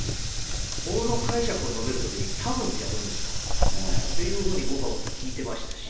法の解釈を述べるときにたぶんでやるんですかっていうふうに、僕は思って聞いてました。